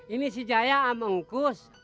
ini si jaya amengkus